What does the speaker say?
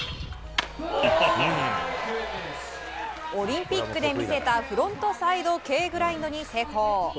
オリンピックで見せたフロントサイドＫグラインドに成功。